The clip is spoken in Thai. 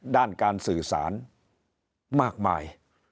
ด้านการสื่อสารมากมาย